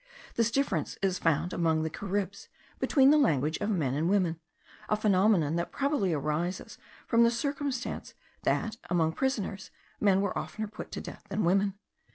This difference is found among the Caribs between the language of men and women; a phenomenon that probably arises from the circumstance that, among prisoners, men were oftener put to death than women.